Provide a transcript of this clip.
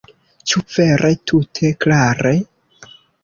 Ĉu vere tute klare?